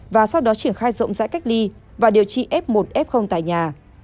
và sau đó triển khai rộng rãi cách ly và điều trị f một f tại nhà